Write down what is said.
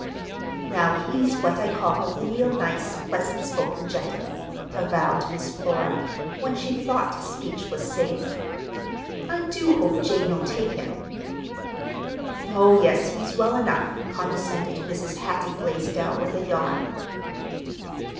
"Now he's what I call a real nice pleasant spoken gentleman," avowed Miss Flora, when she thought speech was safe. "I do hope Jane'll take him." "Oh, yes, he's well enough," condescended Mrs. Hattie Blaisdell, with a yawn.